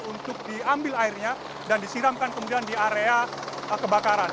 untuk diambil airnya dan disiramkan kemudian di area kebakaran